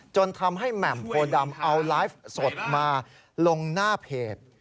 จนทำให้แหม่มโพดำเอาไลฟ์สดมาลงหน้าเพจ